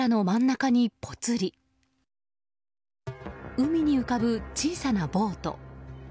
海に浮かぶ小さなボート。